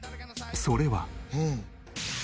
それは。